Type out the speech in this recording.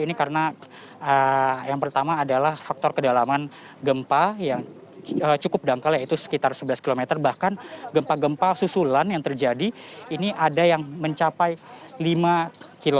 ini karena yang pertama adalah faktor kedalaman gempa yang cukup dangkal yaitu sekitar sebelas km bahkan gempa gempa susulan yang terjadi ini ada yang mencapai lima km